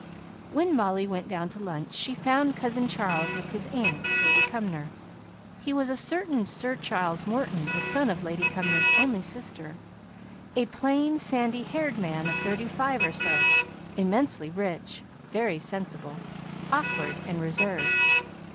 When Molly went down to lunch she found "cousin Charles," with his aunt, Lady Cumnor. He was a certain Sir Charles Morton, the son of Lady Cumnor's only sister: a plain, sandy haired man of thirty five or so; immensely rich, very sensible, awkward, and reserved.